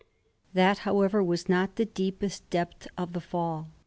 That, however, was not the deepest depth of the fall.